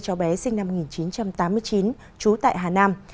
cho bé sinh năm một nghìn chín trăm tám mươi chín trú tại hà nam